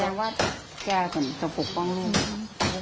ในระหว่างการดำเนองคดีนะฮะ